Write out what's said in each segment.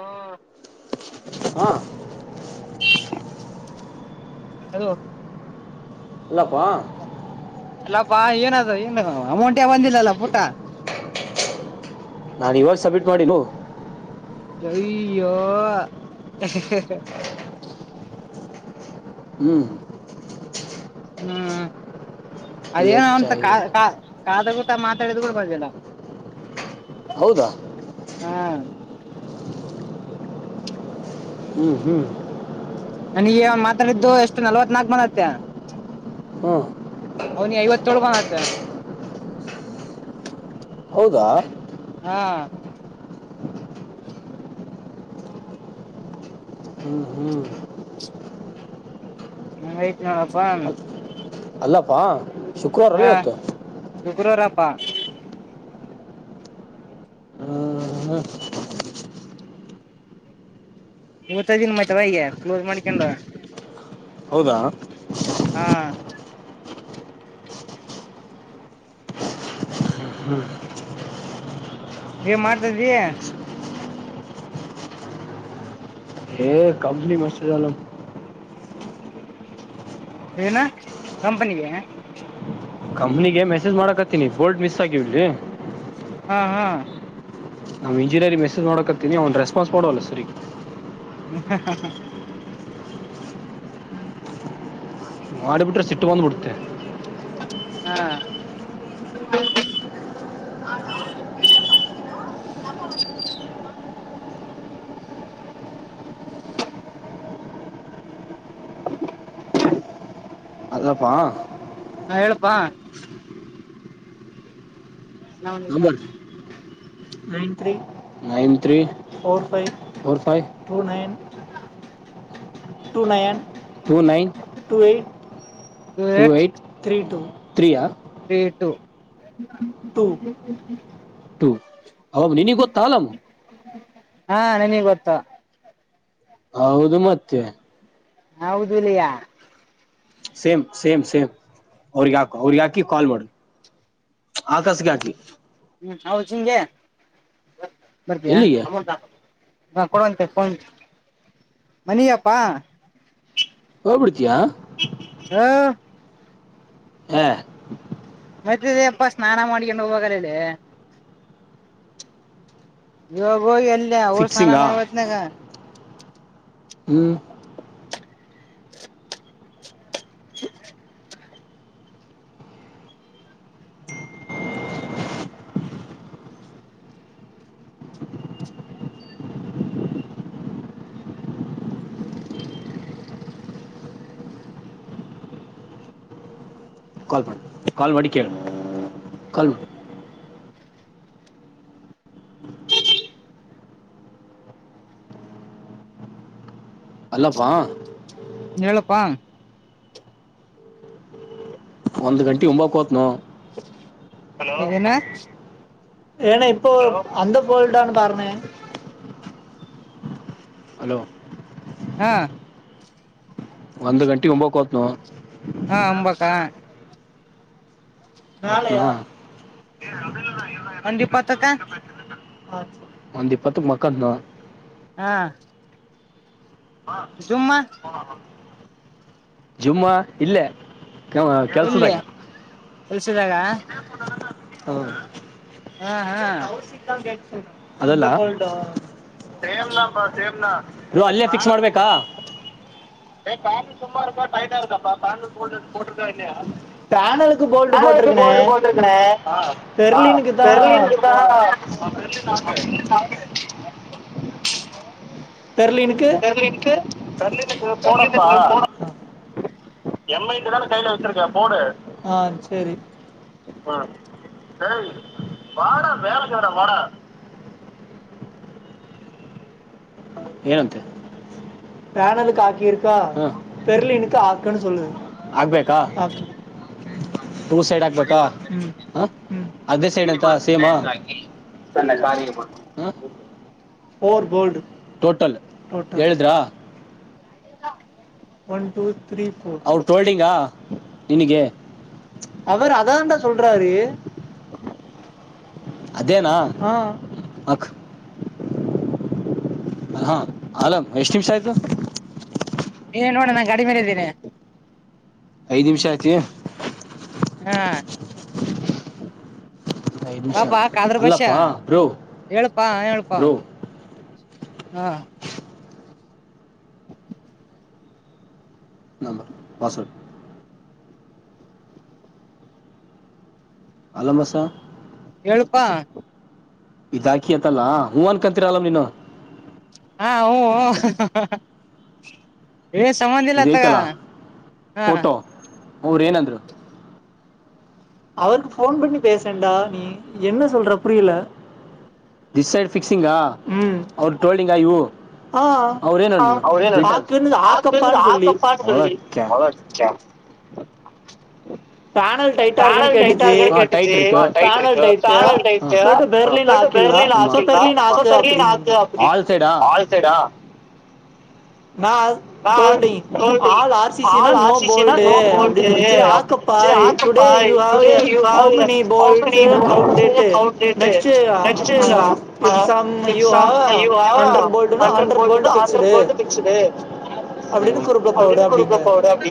ಹಾ ವಾ ಹಲೋ ಇಲ್ಲಪ್ಪ ಅಲ್ಲ ಬಾ ಏನ ಅದ ಏನು ಅಮೌಂಟ್ ಯ ಬಂದಿಲ್ಲಲ್ಲ ಪುಟ ನಾನು ಇವಾಗ ಸಬ್ಮಿಟ್ ಮಾಡೀನು ಜಯೋ ಹ್ಮ್ ಹ್ಮ ಅದೇನ ಅವಂತ ಕಾ ಕಾ ಕಾದ ಗ ಮಾತಾಡಿದ ಕೂಡ ಬರದಿಲ್ಲ ಹೌದಾ ಹಾ ಹ್ಮ್ ಹ್ಮ್ ನನಗ್ ಮಾತಾಡಿದ್ದು ಎಷ್ಟು ನಲ್ವತ್ ನಾಕಕ್ ಬಂದ ಅತ್ತ ಹ್ಮ ಅವನಿ ಐವತ್ತೊಳ್ ಬ ಆತ ಹೌದಾ ಹಾ ಹ್ಮ್ ಹ್ಮ್ ಹ ಆಹಿತ ನೋಡಪ ಅಲ್ಲಪ್ಪಾ ಹಾ ಶುಕ್ರವಾರ ಅ ಪ್ಪ ಮೂವತ್ತಿನ ಮ ಚ ಈಗ ಕ್ಲೋಸ್ ಮಾಡ್ಕೊಂಡ ಹೌದಾ ಹಾ ಹ್ಮ್ ನೀವ ಮಾಡ್ತದಿ ಹೇ ಕಪ್ಲಿ ಮಲ್ಲ ಏನಾ ಕಂಪನಿಗೆ ಕಂಪ್ನಿಗೆ ಮೆಸೇಜ್ ಮಾಡಕತ್ತೀನಿ ಬೋಲ್ಟ್ ಮಿಸ್ ಆಗಿಡ್ಲಿ ಹಾ ಹಾ ನಾವು ಇಂಜಿನಿಯರಿ್ ಮೆಸೇ್ ಮಾಡೋಕಕ್ತೀನಿ ಅವನು ರೆಸ್ಪಾನ್ಸ್ ಮಾಡುವಲ್ಲ ಸರಿಗೆ ಹ್ಮ ಮಾಡಿಬಿಟ್ರೆ ಸಿಟ್ಟು ಬಂದು್ಬಿಡ್ುತ್ತೆ ಹಾ ಅಪ್ಪಾ ನಾ ಹೇಳಪ್ಪಾ ಸಲಾಮಕುಮ ನೈ ನೈನ್ ಫ ಫೈ ನ nine two eight three two ಯ ತ್ರೀ ಟು ುು ಅ ನೀಿನ ಕೊೊತ್ತ ಹಲಾಮ ಹಾ ನನಗ್ ಗೊತ್ತಾ ಹೌದು ಮತ್ತೆ ಹೌದುಲಯಾ ಸೇಮ್ ಸೇಮ್ ಸೇಮ್ ಅವ್ರಿಗೆ ಯಾಕು ಅವ್ರಿಗೆ ಯಾಕಿ ಕಾಲ್ ಮಾಡುದು ಆಕಾಶಗ ಯಾಕಿ ಹ್ಮ್ ಹೌದು ಹಂಗೆ ಬರ್ತೀಯಾ ಹಾ ಕೊಡುವಂತೆ ಕೊ ಮನಪ್ಪಾ ಹೋಗಬಿಡ್ತಯಾ ಹಾ ಹ ಮತ್ತೆ ಅಪ್ಪಾ ಸ್ನಾನ ಮಾಡ್ಕೊಂಡು ಹೋಗಲ್ಲ ಇದೆ ಇವಾಗ ಹೋಗಿ ಎಲ್ಲಿ ಇಲ್ಲ ಅವಊ ಸ್ನಾನ ಮಾಡ ಬತಿನಾಗ ಹ್ಮ್ ಕಾಲ್ಪಿ ಕಾಲ್ ಮಾಡಡಿ ಕೇಳೇಳ ಕಲ್ ಮ ಅಲ್ಲಪ್ಪ ಹೇಳಪ್ಪಾ ಒಂದ್ ಗಂಟೆ ಉಂಬಾಕ್ೋತ್ ನ ಏನ ಏನ ಇಪ್ಪ ಅಂತ ಬಲ್ಡಾನ ಬನೆ ಹಲೋ ಹಾ ಒಂದ್ ಗಂಟೆಗೆಗ್ ಹೊಂಬಕ ಹೋ್ ನವು ಹಾ ಅಂಬಕ್ಕ ನಾ ಒಂದಿ ಪತಕ್ಕ ಒಂದ ಇಪ್ಪತ್ತು ಮಕ್ಕದಂತ ಹಾ ಜುಮ್ಮ ಜುಮ್ಮಾ ಇಲ್ಲ ಕೆಲ್ಸದಾಗ ಕೆಲ್ಸಿದಾಗ ಹಾ ಹಾ ಹಾ ಅದಲ್ಲ ಸೇಮ ನಾಪ್ಪಾ ಸೇಮನ ಬ್ರೋ ಅಲ್ಲೇ ಫಿಕ್ಸ್ ಮಾಡ್ಬೇಕಾ ಕ ಸು ಟೈಟ್ ಕ ಹಾಕಪ್ಪ ಪನಕ್ ಬೋಲ್ಟ್ಟ್ಟನ ತರ್ಲ ಆ ಬೆರ್ಲಿ ನಕೆ ತರ್ಲೀಿನಕ್ ರ್ಲಿನ ಪಡಪಾ ಎಂಐ ತಾನ ಕೈ ಬಡು ಹ ಹ ಸ ವಲೆಗೆಡ ವ ಏನ ಪಾನ ಹಾಕಿರ್ಿನ ಹಾಬೇಕ ಸೈಡ್ ಹಕ್ಬೇಕ ಅದೇ ಸೈಡ್ ಅ ಾಗಿ ತನ್ನ ಕಾಲಿಗೆ ಬ ಫೋರ್ ಬೋಡ್ ಟೋಟಲ್ ಹೇಳಿದ್ರಾ ಲ್ಂಗ ಅವ ಆಲಂ ಎಷ್ಟ ನಿಮಷ ಆಯ್ತು ಏ ನೋಣ ನಾನ್ ಗಡಿ ಮೇಲೆ ಇದ್ದೇನನೆ ಐದು ನಿಮಿಷ ಆಯಿತು ಹಾ ಪಾಪಾ ಕಾದ್ರ ಬಷ್ಯ ಹಳ್ಪಾ ಹೇಳಳ್ಪಾ ಹಾ ನಂಬರ್ ಪಾಸ್ವರ್ಡ್ ಅಲ್ಲ ಬಸ ಹೇಳಪ್ಪಾ ಇದಾಕಿ ಅತ್ತಲ್ಲ ಹೂ ಅನ್ಕಂತೀರ ಅಲ್ಲಮ ನೀನು ಹಾ ಹೂ ಹೂ ಏ ಸಂಬಂಧ ಇಲ್ಲ ತಗ ಹಾ ಅವರು ಏನಂದ್ರು ಅವನ್ಿ ನೀ [inaudible] ಹ ಅವರೆ ಏನಂದ್ರು ಏನ ಆಕಪ್ಪ ಆ ಹೂ ಪಾನಲ್ ಟೈಟಾ ಕ ಪಾನಲ್ ಟಟ್ ಬಟ್ ಬೆರ್ನ್ ಆಕ್ ಇಲ್ಲರ್ನ್ ಹಕ್ ಅ ಆೈ ನಾ ಹ ತೋಲ್ಟ ಆಳ್ ಆಚಚನ ನೋ ತೋಲ್ಟ ಅ ಹಾಕಪ್ಪ today today how many bolt next wonder hundred bolt fixed ಅ ಕೊಡು ಪೌಡ ಅ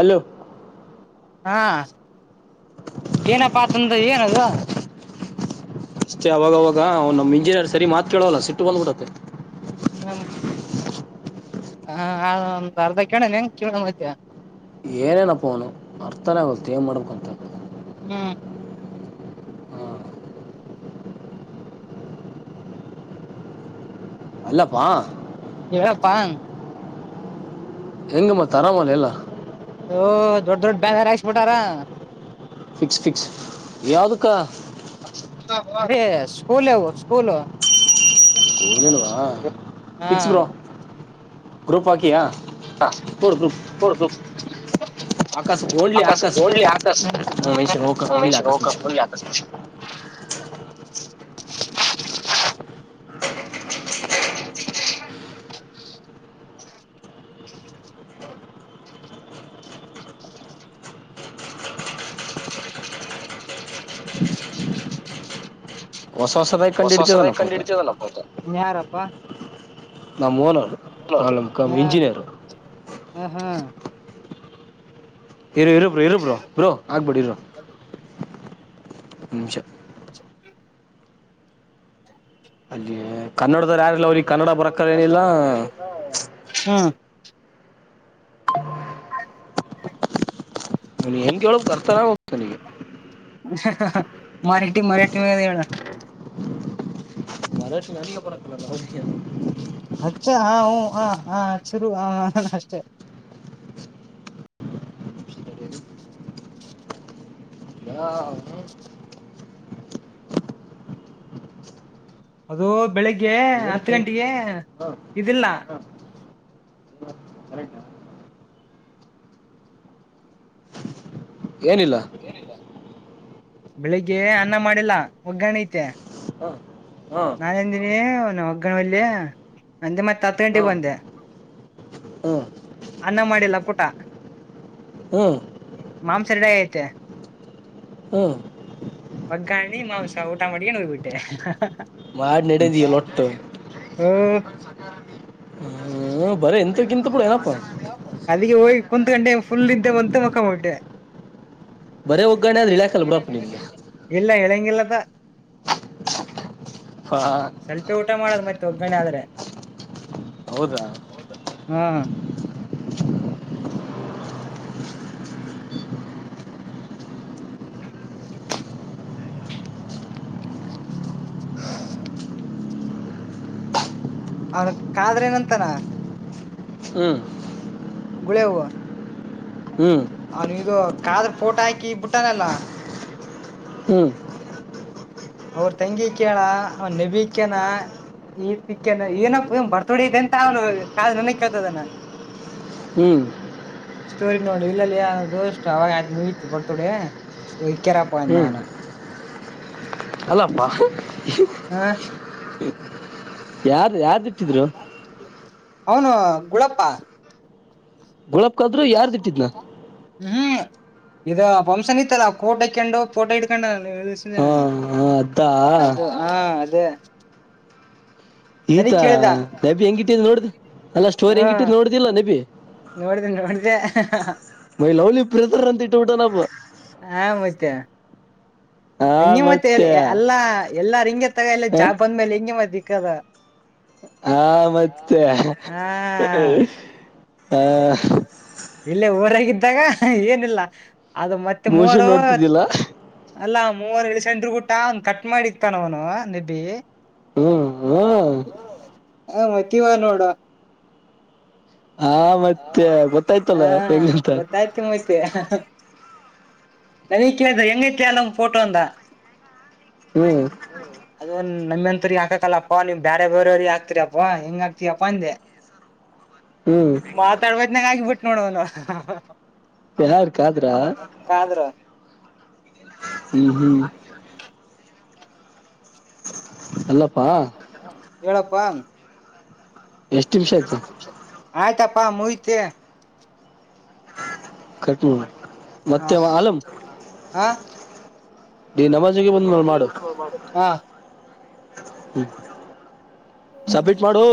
ಅಲೋ ಹಾ ಏನಪ್ಪಾತಂದ ಏನದು ಅಷ್ಟೇ ಅವಾಗವಾಗ ನಮ್ಮ್ ಇಂಜಿನಿಯರ್ ಸರಿ ಮಾತ್ ಕೇಳವಲ್ಲ ಸಿಟ್ಟು ಬಂದ್ಬಿಡತ್ತೆ ಹ್ಮ್ ಹ ಒಂದು್ ಅರ್ಧ ಕಣನ್ ಹೆಂಗ ಕ ಮತ್ತ ಏನನಪ್ಪನು ಅರ್ಥನ ಅವವೆ ಮಾಡಡ ಅಂತ ಹ್ಮ್ ಅಲ್ಲಪ್ಪಾ ಇಪ್ಪಾಂಗ ಹೆಂಗಮ್ಮ ತರಾಮಲ್ಲಲ್ಲ ಓಹ ದೊಡ್ ದೊಡ್ ಬಾರ ಹಾಸ್ಬಿಟಾರ ಫಿಕ್ಸ್ ಫಿಕ್ಸ್ ಯಾವ್ದಕ್ಕ ಅ ಸ್ಕೂಲ್ ಇವ ಸ್ಕೂಲ್ ಸ್ಕೂಲ್ನುವಾ ಸ್ಪರ ಗ್ರೂಪ್ ಹಾಕಿಯಾ ಹಾ ಕೊಡ್ತು ಆಕಸ್ ಲಿ ಆಕಸ್ ಕ ಲಿ ಆಕಸ್ ಹ್ಮ ಹೊಸವಸತಾಗಿ ಕಂಡಿಡ್ತದನ್ನ ಕೊೋತ ನ್ ಯಾರಪ್ಪ ಹಾ ಹ ಹಾ ಇರೋ ಇರಬ್ರು ಇರಬ್್ರೋ ಬ್ರೋ ಆಗ್ಬೇಡಿ ಇೋ ಹಷ ಅಲ್ಲಿೇ ಕನ್ನಡದಾರ ಯಾರಿಲ್ಲ ಅವ್ರಿಗೆ ಕನ್ನಡ ಬರಕ್ಕ ಏನಿಲ್ಲ ಹ ನೀ ಹೆನ್ ಕೇಳಕ್ ಬರ್ತಾರತನಿಗೆ ಮರಠ ಮರಠ ಮ ಹೇಳ ಮರಾಠಿ ಅಡಿಗೆ ಪರಕ್ಕಲಲ್ಲ ಹಚ್ಚ ಹ ಹ ಹ ಹಾ ಚಿರು ಹ ಅಷ್ಟೇ ಹಾ ಅದು ಬೆಳಿಗ್ಗೆ ಹತ್ತು ಗಂಟೆಗೆ ಇದಿಲ್ಲ ಕರೆಕ್ಟ ಏನಿಲ್ಲ ಬೆಳಿಗ್ಗೆ ಅನ್ನ ಮಾಡಿಲ್ಲ ಒಗ್ಗರಣೆ ಐತೆ ಹಾ ನಾಾನ ಎಂದಿನಿ ಒಗ್ಗಣಲ್ಲಿಯ ಒಂದೆ ಮತ್ತತ್ ಹತ್ತು ಗಂಟೆಗೆಗ್ ಬಂದೆ ಹಾ ಅನ್ನ ಮಾಡಿಲ್ಲ ಪುಟ ಮಾಂಸಡೆ ತ್ಯೆ ಹೂ ಒಗ್ಗಾಣಿ ಮಾಂಸ ಊಟ ಮಾಡಿಗೆನ್ ಹೋೋಗ್ಬಿಟ್ಟೆ ಮಾಡ ನಡೆದಲ್ಲ ಒಟ್ಟು ಹೂ ಬರೇನ್ ಅದಕ್ಕೆ ಒ ಕುತ್ ಗಂಟೆ ಫುಲ್ ಇದ್ದೆ ಬಂತ ಮಲ್ಕೊಂಡ್ಬಿಟ್ಟೆ ಬರೇ ಹೋಗ್ಗೆ ರಿಲ್ಯಾಕ್ಸ್ ಅಲ್ಬಡಪ್ಪ ನಿನ್ಗೆ ಹದ ಸ್ವಲ್ಪ ಊಟ ಮಾಡರೆ ಮತ್ತೆ ತೊಗೊನಿ ಆದ್ರೆ ಹ ಹ ಚ್ ಫ್ ಅವನ್ ಕಾದ್ರೇ ನಂತಾನ ಹೂ ಗುಳೆವು ಹೂ ಅವ ನೀ ಇದು ಕಾದ್ರ ಪೋಟ ಹಾಕಿ ಬಿಟ್ಟಾನೆಲ್ಲ ಹೂ ಅವ್ರ ತಂಗಿ ಕೆಳ ಅವ ನೆಬಿಿಕ್ಯನ ಈತಿಕ್ಕನ ಏನಪ್ಪ ನ್ ಬರ್ತೊಡ ಇದೆ ಅಂತ ಅವನು ಕಾದ ನನಗ್ ಕೇಳ್ತದನ ಹೂ ಸ್ಟೋರಿ ನೋಡಿ ಇಲ್ಲಲ್ಲಿ ಯ ದೋಷ್ಟ ಅವಾಗ ಯ್ ಮುಗತಿ ಬಡ್ತೋಡೆ ಇಟ್ಟೇಕೆರಪ್ಪಂದಾನ ಹ ಅಲ್ಲಪ್ಪಾ ಹಾ ಯಾರ ಯಾರ್ದು ಇಟ್ಟಿದ್ರು ಹೌನು ಕುಳಪ್ಪ ಗುಲಾಬ್ ಕಾದ್ರರು ಯಾರ್ದ ಇಟ್ಟಿದ್ನ ಇ ಫಂಕ್ಷನ್ ಇತ್ತಲ್ಲ ಕೋಟ್ ಹಕೊಂಡು ಫೋಟೋ ಇಟ್ಕೊಂಡುನಲ್ಲಾ ಅದ ಅದೇ ಈತಾ ಡೆಬ್ಬಿ ಹೆಂಗಿಟ್ಟ ನೋಡ ಅಲ್ಲ ಸ್ಟೋರಿ ಹೆಂಗಿಟ್ಟಿದ್ ನೋಡ್ದಿಲ್ಲ ನಬಿ ಮೈ ಲವ್ಲಿ ಬ್ರೋಥರ್ ಅಂತ ಇಟ್ಟಬಿಟ್ಟ ನಪ್ಪ ಹಾ ಮತ್ತೆ ಹೆಂಗೆ ಮತ್ತೆ ಎಲ್ಲಾ ಎಲ್ಲಾರ ಹಿಂಗ ತಗ ಎಲ್ಲ ಜಾ ಬಂದ್ಮೇಲೆ ಹೆಂಗೆ ಮತ್ತ ಕದ ಹಾ ಮತ್ತೆ ಹ ಿದ್ದಾಗ ಏನಿಲ್ಲ ಅದು ಮತ್ತೆ ಮೂವರು ಅಲ್ಲ ಮೂವನ್ ಎಳ ಸಂಡ್ರರು ಗಟ್ಟ ಅವಂದ ಕಟ್ ಮಾಡಿತಾನ ಅವನು ನೆಬ್ಬಿ ಹ್ಮ್ ಹ್ಮ್ ಹ ಮತ್ತವ ನೋಡ ಹಾ ಮತ್ತೆ ಗೊತ್ತಾಯ್ತಲ್ಲ ಹೆಂಗ್ಂತ ನನ ಕೇಳ್್ದ ಎಂಗ ಕೇಲ ೋಟೋಂತಾ ಅದು ನಮ್ಮೆತ್ರಿ ಹಾಕಕಲ್ಲಪ್ಪಾ ನೀವ್ ಬೇರೆ ಬೇರವ್ರಿಗೆ ಹಾಕ್ತರಿಪ್ಪ ಹೆಂಗ ಹ ಆಕ್ತಯಪ್ಪಾ ಅಂದೆ ಮಾತಾಡವಯತ್ ನ ಬಟ್ಟ ನೋಡೋಣ ಯಾರ ಕಾದ್ರ ಹ ಹ್ಮ ಅಲ್ಲ ಪ್ಪ ಹೇಳಪ್ಪ ಪ್ಪ ಆಯ್ತು ಪ್ಪಾ ಮುಯಿತ ಕಟ್ಟ ಮಾಡ ಹಾ ಮತ್ತ ಹ ನ ಹ ಹ್ಮ್ ಸಬ್ಮಿಟ್ ಮಾಡು